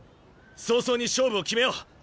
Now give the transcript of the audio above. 早々に勝負を決めよう！